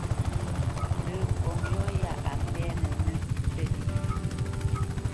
Lə́ ŋkɔŋ yɔ̂ yá a pɛ́nə́ pə́lye: